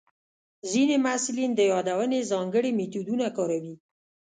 ځینې محصلین د یادونې ځانګړي میتودونه کاروي.